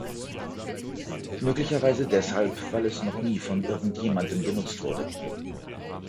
Möglicherweise deshalb, weil es noch nie von irgendjemandem benutzt wurde.